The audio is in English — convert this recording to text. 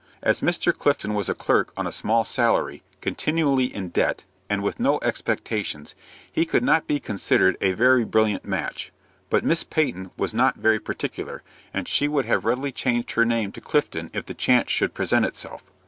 As Mr. Clifton was a clerk on a small salary, continually in debt, and with no expectations, he could not be considered a very brilliant match; but Miss Peyton was not very particular, and she would have readily changed her name to Clifton if the chance should present itself.